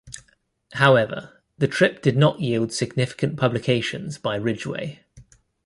However, the trip did not yield significant publications by Ridgway.